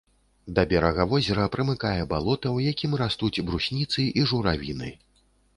Да берага возера прымыкае балота, у якім растуць брусніцы і журавіны.